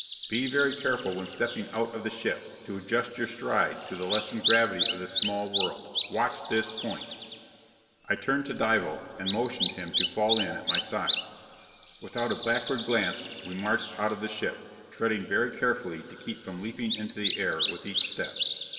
Be very careful, when stepping out of the ship, to adjust your stride to the lessened gravity of this small world. Watch this point!" I turned to Dival, motioned him to fall in at my side. Without a backward glance, we marched out of the ship, treading very carefully to keep from leaping into the air with each step.